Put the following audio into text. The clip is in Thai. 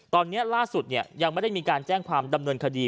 ตอนนี้ล่าสุดยังไม่ได้มีการแจ้งความดำเนินคดี